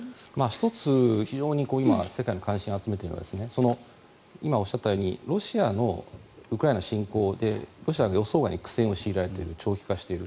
１つ、今世界の関心を集めているのは今おっしゃったようにロシアのウクライナ侵攻でロシアが予想外に苦戦を強いられている長期化している。